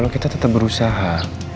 kalo kita tetep berusaha